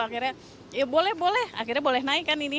akhirnya ya boleh boleh akhirnya boleh naik kan ini